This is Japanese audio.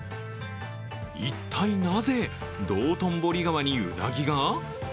一体なぜ、道頓堀川にウナギが？